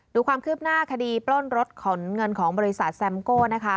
ดูความคืบหน้าคดีปล้นรถขนเงินของบริษัทแซมโก้นะคะ